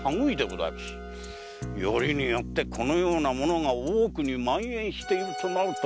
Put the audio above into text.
よりによってこのようなものが大奥に蔓延しているとなると。